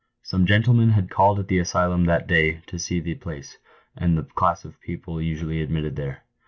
> Some gentlemen had called at the asylum that day to see the place, and the class of persons usually admitted there.